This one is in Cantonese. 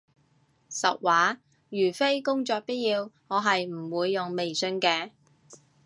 實話，如非工作必要，我係唔會用微信嘅